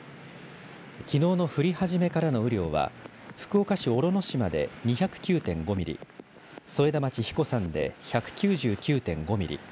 きのうの降り始めからの雨量は福岡市小呂島で２０９．５ミリ添田町英彦山で１９９．５ミリ